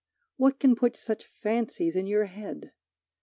What can put such fancies in your head?